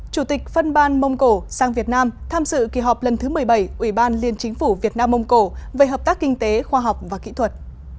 chủ tịch phân ban mông cổ sang việt nam tham dự kỳ họp lần thứ một mươi bảy ủy ban liên chính phủ việt nam mông cổ về hợp tác kinh tế khoa học và kỹ thuật